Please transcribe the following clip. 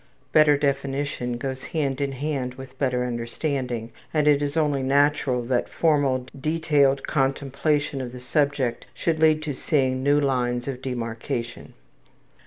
Better definition goes hand in hand with better understanding, and it is only natural that formal, detailed contemplation of the subject should lead to seeing new lines of demarcation.